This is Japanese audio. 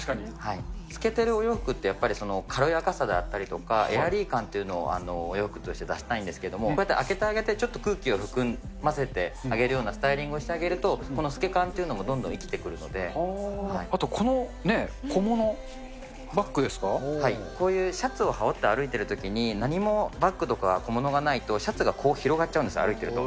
透けてるお洋服って、やっぱり軽やかさだったりだとか、エアリー感をお洋服として出したいんですけど、開けてあげて、空気を含ませてあげるようなスタイリングをしてあげると、どんどあとこのね、小物、バッグでこういうシャツを羽織って歩いてるときに、何もバッグとか小物がないと、シャツがこう広がっちゃうんです、歩いてると。